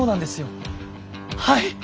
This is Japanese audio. はい！